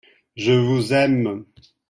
Je vous aime !